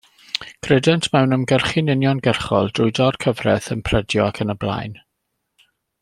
Credent mewn ymgyrchu'n uniongyrchol, drwy dor-cyfraith, ymprydio ac yn y blaen.